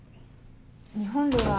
日本では。